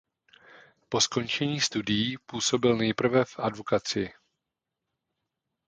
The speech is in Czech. Po skončení studií působil nejprve v advokacii.